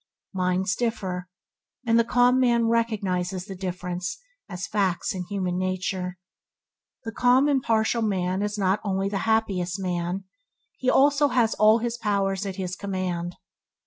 Minds differ, and the calm man recognizes the differences as facts in human nature. The calm, impartial man, is not only the happiest man, he also has all his powers at his command.